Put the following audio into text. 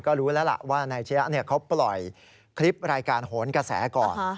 ก็รู้แล้วล่ะว่านายชะยะเขาปล่อยคลิปรายการโหนกระแสก่อน